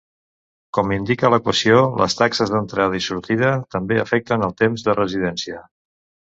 Com indica l'equació, les taxes d'entrada i sortida també afecten el temps de residència.